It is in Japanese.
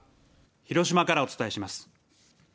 広島からお伝えします。